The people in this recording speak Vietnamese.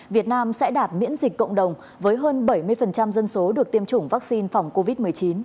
việt nam sẽ đạt miễn dịch cộng đồng với hơn bảy mươi dân số được tiêm chủng vaccine phòng covid một mươi chín